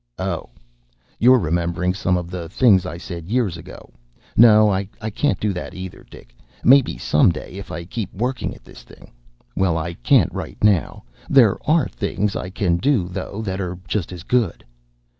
"Oh, you're remembering some of the things I said years ago. No, I can't do that either, Dick. Maybe, some day, if I keep working at this thing Well, I can't right now. There are things I can do, though, that are just as good."